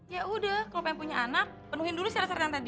ya udah kalau pengen punya anak penuhin dulu serat serat yang tadi